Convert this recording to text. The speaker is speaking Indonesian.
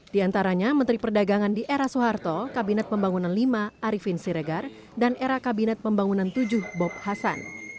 di antaranya menteri perdagangan di era soeharto kabinet pembangunan lima arifin siregar dan era kabinet pembangunan tujuh bob hasan